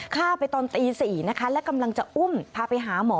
ฆ่าไปตอนตี๔นะคะและกำลังจะอุ้มพาไปหาหมอ